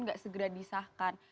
enggak segera disahkan